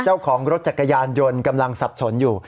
เจ้าของรถจักรยานยนต์กำลังสับสนอยู่